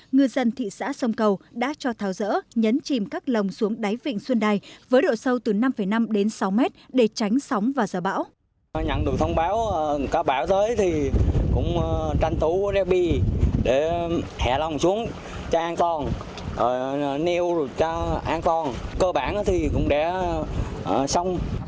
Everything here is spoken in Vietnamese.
ngư dân thị xã sông cầu đã cho tháo rỡ nhấn chìm các lồng xuống đáy vịnh xuân đài với độ sâu từ năm năm đến sáu mét để tránh sóng và giả bão